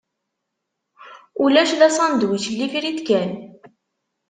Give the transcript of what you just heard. Ulac, d asandwič n lifrit kan.